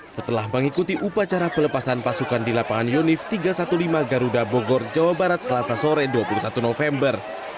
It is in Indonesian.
setelah mengikuti upacara pelepasan pasukan di lapangan yonif tiga ratus lima belas garuda bogor jawa barat selasa sore dua puluh satu november